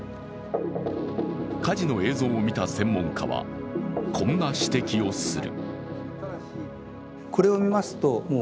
火事の映像を見た専門家は、こんな指摘をする。